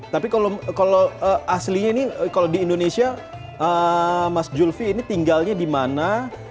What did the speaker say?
tapi kalau aslinya ini kalau di indonesia mas julvi ini tinggalnya di mana